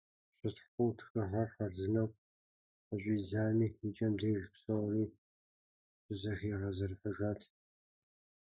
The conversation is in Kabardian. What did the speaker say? Щытхъу тхыгъэр хъарзынэу къыщӀидзами, и кӀэм деж псори щызэхигъэзэрыхьыжат.